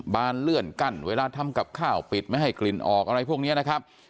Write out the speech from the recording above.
บานเลื่อนกั้นเวลาทำกับข้าวปิดไม่ให้กลิ่นออกอะไรพวกนี้นะครับ